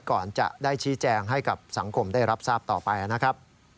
ก่อนจะได้ชี้แจงให้กับสังคมได้รับทราบต่อไปนะครับ